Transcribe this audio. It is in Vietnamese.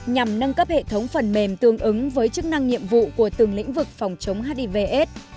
nhằm nâng cấp hệ thống phần mềm tương ứng với chức năng nhiệm vụ của từng lĩnh vực phòng chống hiv aids